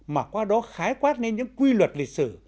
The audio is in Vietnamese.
mà qua đó khái quát lên những quy luật lịch sử